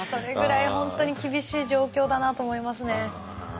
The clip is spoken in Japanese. それぐらい本当に厳しい状況だなと思いますね。